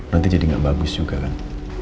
nanti jadi gak bagus juga kan